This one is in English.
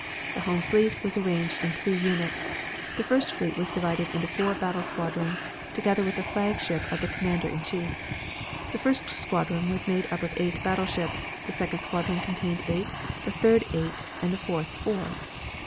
The home fleet was arranged in three units, the first fleet was divided into four battle squadrons, together with the flagship of the commander in chief. The first squadron was made up of eight battleships, the second squadron contained eight, the third eight and the fourth four.